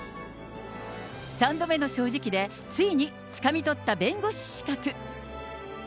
三度目の正直で、ついにつかみ取った弁護士資格。